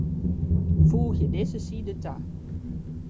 Foegje dizze side ta.